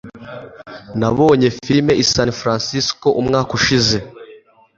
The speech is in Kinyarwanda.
Nabonye film i San Francisco umwaka ushize